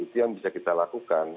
itu yang bisa kita lakukan